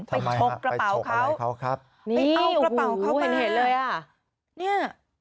ไปชกกระเป๋าเขาไปเอากระเป๋าเขามา